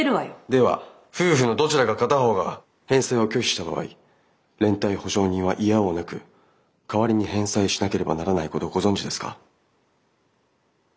では夫婦のどちらか片方が返済を拒否した場合連帯保証人はいやおうなく代わりに返済しなければならないことをご存じですか？